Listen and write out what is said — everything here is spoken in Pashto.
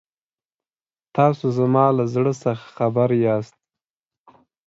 تاسو زما له زړه څخه خبر یاست.